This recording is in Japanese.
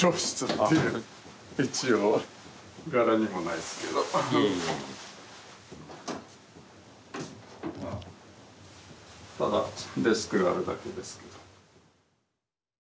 ただデスクがあるだけですけど。